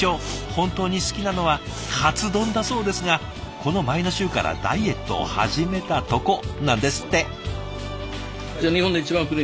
本当に好きなのはカツ丼だそうですがこの前の週からダイエットを始めたとこなんですって。